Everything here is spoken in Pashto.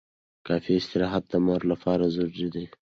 کافي استراحت د مور لپاره ضروري دی.